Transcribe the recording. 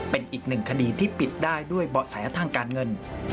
เป็นอีกหนึ่งคดีที่ปิดได้ด้วยเบาะแสทางการเงิน